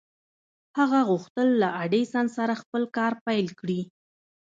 هغه غوښتل له ايډېسن سره خپل کار پيل کړي.